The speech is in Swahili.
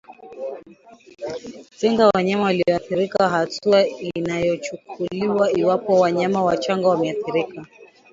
Tenga wanyama walioathirika hatua inayochukuliwa iwapo wanyama wachanga wameathirika